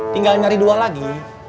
tinggal nyari dua lagi